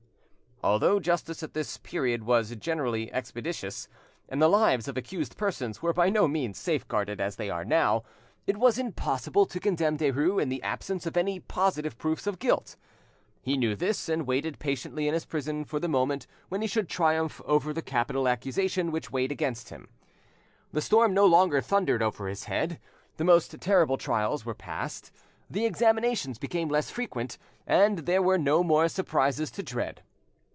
Although justice at this period was generally expeditious, and the lives of accused persons were by no means safe guarded as they now are, it was impossible to condemn Derues in the absence of any positive proofs of guilt. He knew this, and waited patiently in his prison for the moment when he should triumph over the capital accusation which weighed against him. The storm no longer thundered over his head, the most terrible trials were passed, the examinations became less frequent, and there were no more surprises to dread.